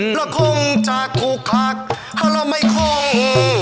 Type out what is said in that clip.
ละคงจะถูกคาร์กพระละไม่คง